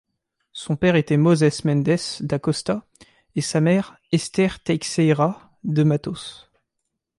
Son père était Mozes Mendes da Costa et sa mère, Esther Teixeira de Mattos.